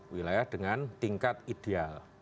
wilayah dengan tingkat ideal